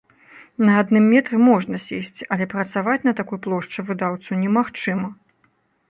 На адным метры можна сесці, але працаваць на такой плошчы выдаўцу немагчыма.